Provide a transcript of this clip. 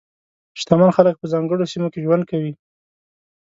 شتمن خلک په ځانګړو سیمو کې ژوند کوي.